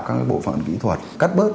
các bộ phận kỹ thuật cắt bớt